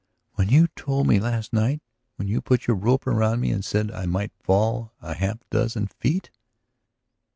"When you told me last night ... when you put your rope around me and said that I might fall half a dozen feet.